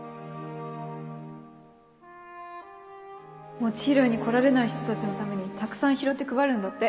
餅拾いに来られない人たちのためにたくさん拾って配るんだって